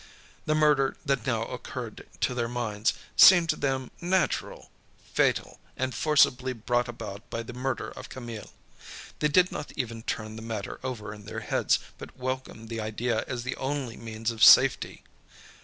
The murder that now occurred to their minds, seemed to them natural, fatal and forcibly brought about by the murder of Camille. They did not even turn the matter over in their heads but welcomed the idea as the only means of safety.